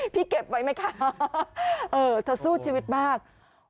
พี่เก็บไว่มั้ยคะสู้ชีวิตมาก